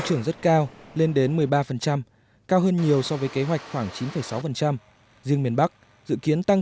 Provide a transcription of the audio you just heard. trưởng rất cao lên đến một mươi ba cao hơn nhiều so với kế hoạch khoảng chín sáu riêng miền bắc dự kiến tăng